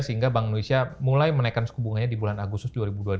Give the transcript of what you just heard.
sehingga bank indonesia mulai menaikkan suku bunganya di bulan agustus dua ribu dua puluh